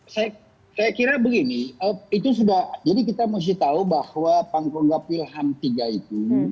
saya kira begini itu sudah jadi kita mesti tahu bahwa pangkong gapil ham tiga itu